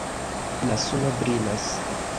La suno brilas.